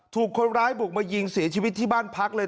ถูกคนร้ายบุกมายิงเสียชีวิตที่บ้านพักเลย